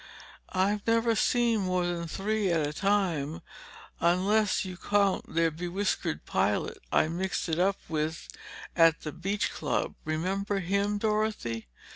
"I've never seen more than three at a time, unless you count their be whiskered pilot I mixed it up with at the beach club. Remember him, Dorothy?